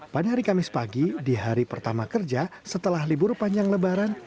pada hari kamis pagi di hari pertama kerja setelah libur panjang lebaran